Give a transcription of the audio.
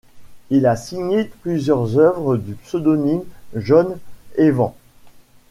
Il a signé plusieurs œuvres du pseudonyme John Evans.